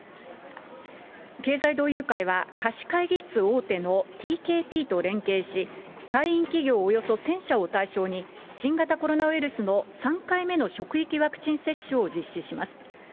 経済同友会は、貸し会議室大手のＴＫＰと連携し、会員企業およそ１０００社を対象に、新型コロナウイルスの３回目の職域ワクチン接種を実施します。